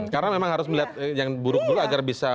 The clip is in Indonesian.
karena memang harus melihat yang buruk dulu agar bisa